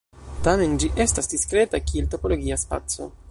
Tamen, ĝi estas diskreta kiel topologia spaco.